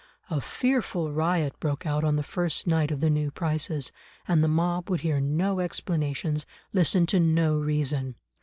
A fearful riot broke out on the first night of the new prices, and the mob would hear no explanations, listen to no reason.